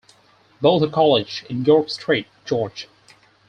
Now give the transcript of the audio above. Botha College in York Street, George.